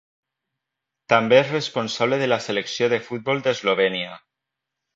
També és responsable de la selecció de futbol d'Eslovènia.